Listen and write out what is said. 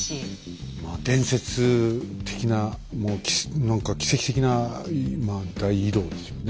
まあ伝説的なもう何か奇跡的な大移動ですよね。